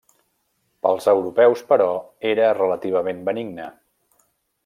Pels europeus però, era relativament benigna.